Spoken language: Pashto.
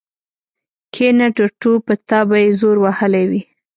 کېنه ټرتو په تا به يې زور وهلی وي.